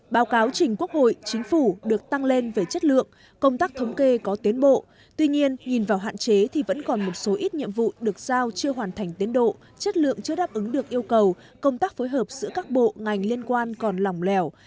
báo cáo trình quốc hội chính phủ được tăng lên về chất lượng công tác thống kê có tiến bộ tuy nhiên nhìn vào hạn chế thì vẫn còn một số ít nhiệm vụ được giao chưa hoàn thành tiến độ chất lượng chưa đáp ứng được yêu cầu công tác phối hợp giữa các bộ ngành liên quan còn lỏng lẻo